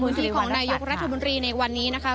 การลงพื้นที่ของนายกรัฐมนตรีในวันนี้นะคะ